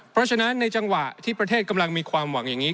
เพราะฉะนั้นในจังหวะที่ประเทศกำลังมีความหวังอย่างนี้